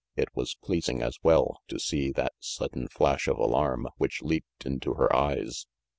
It was pleasing, as well, to see that sudden flash of alarm which leaped into her eyes.